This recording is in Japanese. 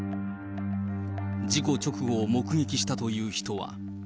事故直後を目撃したという人は。